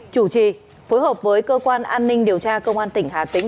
chủ trì phối hợp với cơ quan an ninh điều tra công an tỉnh hà tĩnh